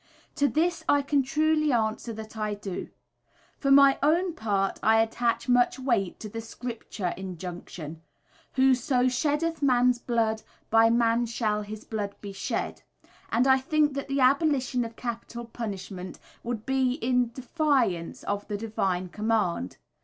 To this I can truly answer that I do. For my own part I attach much weight to the Scripture injunction, "Whoso sheddeth man's blood, by man shall his blood be shed," and I think that the abolition of capital punishment would be a defiance of the divine command.